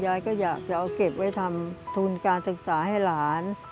ยายก็อยากจะเอาเก็บไว้ทำทุนการศึกษาให้หลาน